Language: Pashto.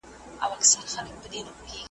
تخیل د بریا د خوبونو ریښتیا کول دي.